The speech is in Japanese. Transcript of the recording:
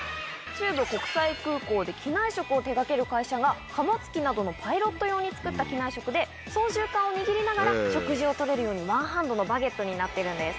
中部国際空港で機内食を手掛ける会社が貨物機などのパイロット用に作った機内食で操縦桿を握りながら食事を取れるようにワンハンドのバゲットになっているんです。